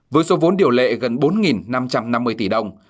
với số vốn điều lệ gần bốn năm trăm năm mươi tỷ đồng